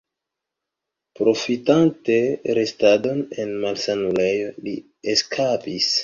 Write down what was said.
Profitante restadon en malsanulejo, li eskapis.